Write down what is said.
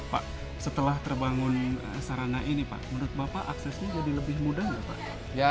pak setelah terbangun sarana ini pak menurut bapak aksesnya jadi lebih mudah nggak pak